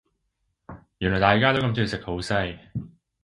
原來大家都咁鍾意食好西